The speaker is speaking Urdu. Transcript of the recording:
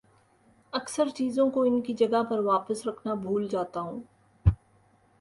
اکثر چیزوں کو ان کی جگہ پر واپس رکھنا بھول جاتا ہوں